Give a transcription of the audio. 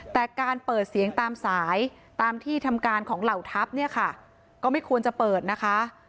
แต่การเปิดเสียงตามสายตามที่ทำการของเหล่าทัพเนี่ยค่ะก็ไม่ควรจะเปิดนะคะ